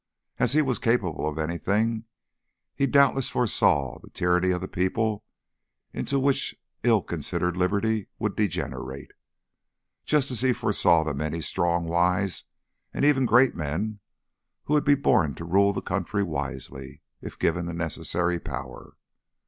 As he was capable of anything, he doubtless foresaw the tyranny of the people into which ill considered liberty would degenerate, just as he foresaw the many strong, wise, and even great men who would be born to rule the country wisely if given the necessary power.